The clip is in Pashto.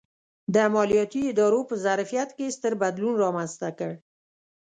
د مالیاتي ادارو په ظرفیت کې ستر بدلون رامنځته کړ.